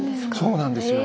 そうなんですよ。